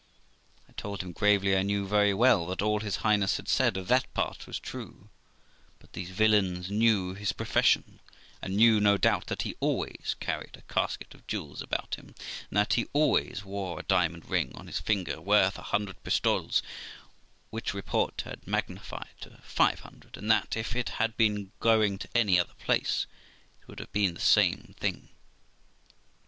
I told him gravely I knew very well that all his Highness had said of that part was true; that these villains knew his profession, and knew, no doubt, that he always carried a casket of jewels about him, and that he always wore a diamond ring on his finger worth a hundred pistoles, which report had magnified to five hundred ; and that, if he had been going to any other place, it would have been the same thing.